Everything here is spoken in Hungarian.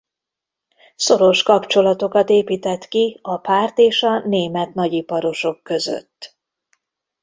Szoros kapcsolatokat épített ki a párt és a német nagyiparosok között.